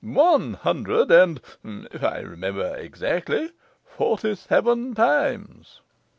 'One hundred and (if I remember exactly) forty seven times.